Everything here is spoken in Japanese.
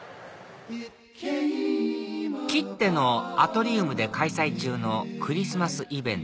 ＫＩＴＴＥのアトリウムで開催中のクリスマスイベント